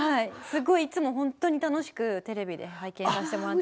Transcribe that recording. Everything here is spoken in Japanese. いつも本当に楽しくテレビで拝見させてもらって。